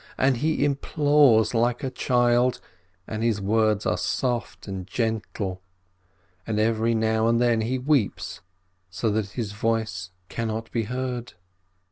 And he implores like a child, and his words are soft and gentle, and every now and then he weeps so that his voice cannot be heard.